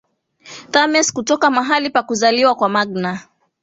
Thames kutoka mahali pa kuzaliwa kwa Magna